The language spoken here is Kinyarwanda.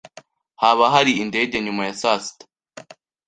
Haba hari indege nyuma ya saa sita?